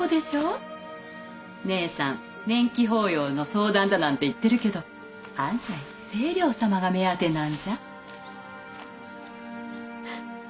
姉さん年忌法要の相談だなんて言ってるけど案外清瞭様が目当てなんじゃ。